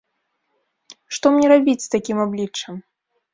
Што мне рабіць з такім абліччам?